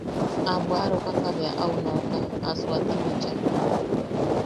A bwaʼarokaka bea au nooka a suaati bicha.